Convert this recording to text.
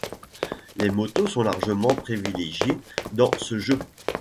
Les motos sont largement privilégiées dans ce jeu.